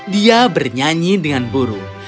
dia bernyanyi dengan burung